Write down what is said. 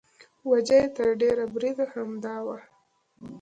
وجه یې تر ډېره بریده همدا وه.